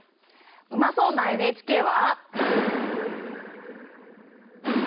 うまそうな「ＮＨＫ」は。